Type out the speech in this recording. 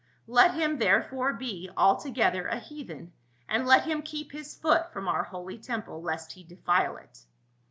Let him therefore be altogether a heathen, and let him keep his foot from our holy temple lest he defile it."